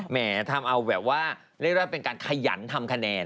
แหมทำเอาแบบว่าเรียกว่าเป็นการขยันทำคะแนน